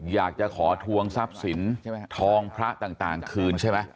อยากจะขอทวงทรัพย์สินทองพระต่างคืนใช่ไหม